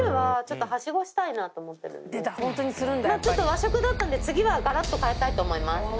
和食だったんで次はガラッと変えたいと思います。